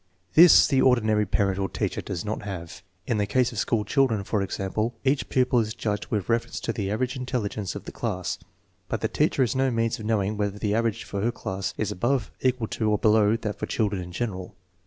This the ordinary parent or teacher does not have. In the case of school children, for example, each pupil is judged with reference to the average intelligence of the class. But the teacher has no means of knowing whether the average for her class is above, equal to, or below that for children in general.